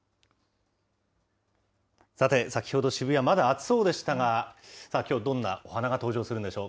さて、先ほど渋谷、まだ暑そうでしたが、きょうはどんなお花が登場するんでしょう。